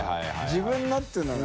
自分の」っていうのが。